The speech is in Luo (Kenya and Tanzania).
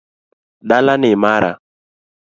Dala ni mara